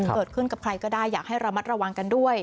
เกิดขึ้นกับใครก็ได้อยากให้ระมัดระวังกันด้วย